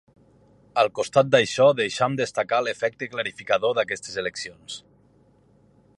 Al costat d’això deixam destacar l’efecte clarificador d’aquestes eleccions.